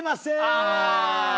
ああ。